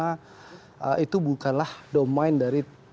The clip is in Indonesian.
karena itu bukanlah domain dari pahok